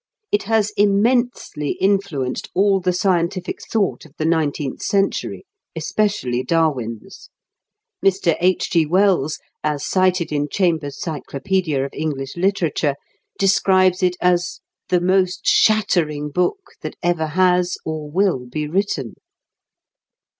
It has immensely influenced all the scientific thought of the nineteenth century, especially Darwin's. Mr. H.G. Wells, as cited in "Chambers's Cyclopædia of English Literature," describes it as "the most 'shattering' book that ever has or will be written."